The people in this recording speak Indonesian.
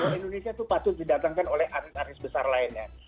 karena indonesia itu patut didatangkan oleh artis artis besar lainnya